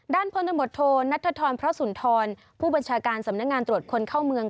พลตมตโทนัทธรพระสุนทรผู้บัญชาการสำนักงานตรวจคนเข้าเมือง